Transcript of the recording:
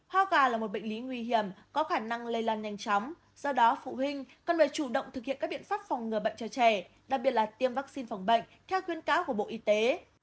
ho gà là một bệnh lý nguy hiểm có khả năng lây lan nhanh chóng do đó phụ huynh cần phải chủ động thực hiện các biện pháp phòng ngừa bệnh cho trẻ đặc biệt là tiêm vaccine phòng bệnh theo khuyên cáo của bộ y tế